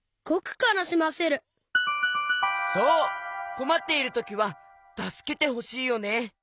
こまっているときはたすけてほしいよね。